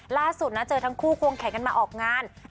ล่าสุดนะเจอทั้งคู่ควงแขนกันมาออกงาน